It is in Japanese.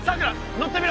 乗ってみろ。